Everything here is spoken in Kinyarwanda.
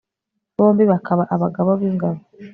bombi bakaba abagaba b'ingabo